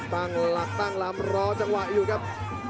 ตั้งหลักตั้งลำรอจังหวะอยู่ครับ